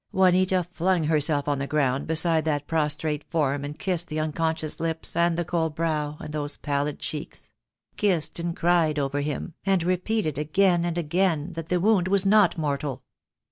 Juanita flung herself on the ground beside that prostrate form and kissed the unconscious lips, and the cold brow, and those pallid cheeks; kissed and cried over him, and repeated again and again that the wound was not mortal.